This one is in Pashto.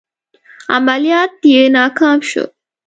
عملیات یې ناکام شول.